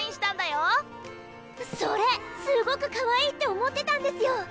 それすごくかわいいって思ってたんですよ。